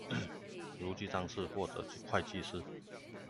如記帳士或者是會計師